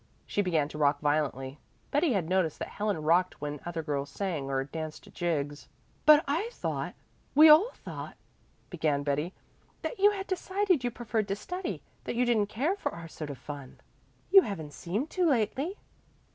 She began to rock violently. Betty had noticed that Helen rocked when other girls sang or danced jigs. "But I thought we all thought," began Betty, "that you had decided you preferred to study that you didn't care for our sort of fun. You haven't seemed to lately."